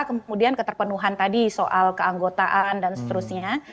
kemudian keterpenuhan tadi soal keanggotaan dan seterusnya